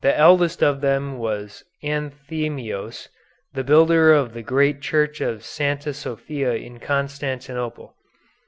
The eldest of them was Anthemios, the builder of the great church of Santa Sophia in Constantinople.